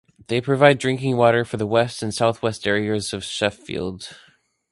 They provide drinking water for the west and south-west areas of Sheffield.